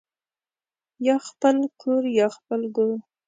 یا خپل کورریا خپل ګور